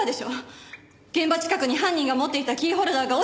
現場近くに犯人が持っていたキーホルダーが落ちてたって。